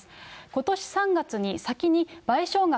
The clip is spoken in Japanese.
ことし３月に、先に賠償額